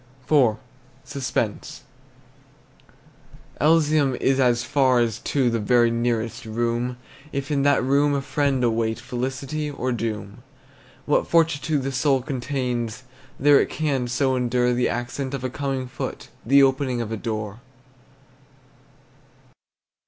IV. SUSPENSE. Elysium is as far as to The very nearest room, If in that room a friend await Felicity or doom. What fortitude the soul contains, That it can so endure The accent of a coming foot, The opening of a door!